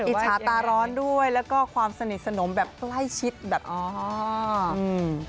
อิจฉาตาร้อนด้วยแล้วก็ความสนิทสนมแบบใกล้ชิดแบบอ๋ออืม